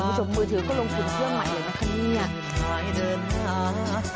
คุณผู้ชมมือถือก็ลงถึงเครื่องใหม่เลยนะคะเนี่ย